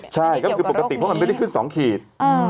ใช่ก็คือปกติเพราะมันไม่ได้ขึ้น๒ขีด